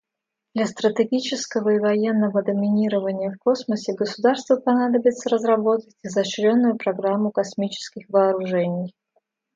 Для стратегического и военного доминирования в космосе государству понадобится разработать изощренную программу космических вооружений.